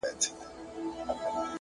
وخت د ارمانونو ازموینوونکی دی،